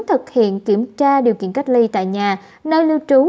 thực hiện kiểm tra điều kiện cách ly tại nhà nơi lưu trú